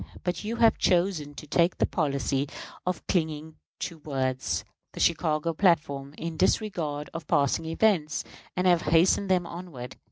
But you have chosen to take the policy of clinging to words [the Chicago platform], in disregard of passing events, and have hastened them onward.